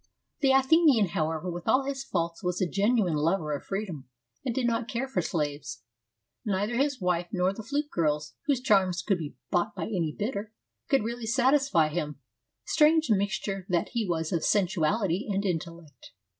The Athenian, however, with all his faults was a genuine lover of freedom, and did not care for slaves. Neither his wife nor the flute girls, whose charms could be bought by any bidder, could really satisfy him, strange mixture that he was of sensuality and intellect.